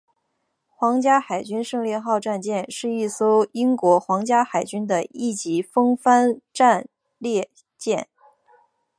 皇家海军胜利号战舰是一艘英国皇家海军的一级风帆战列舰。